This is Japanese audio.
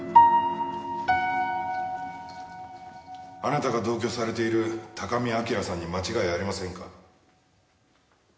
あなたが同居されている高見明さんに間違いありませんか？